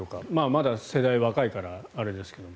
まだ世代若いからあれですけど。